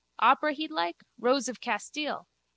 Opera he'd like? Rose of Castile.